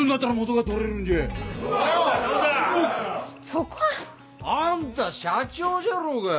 ・そそこは。あんた社長じゃろうが！